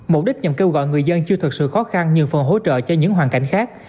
mục đích nhằm kêu gọi người dân chưa thực sự khó khăn nhờ phần hỗ trợ cho những hoàn cảnh khác